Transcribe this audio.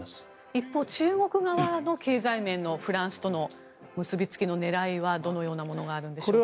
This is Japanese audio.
一方、中国側の経済面のフランスとの結びつきの狙いはどのようなものがあるんでしょうか。